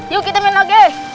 yuk kita minum lagi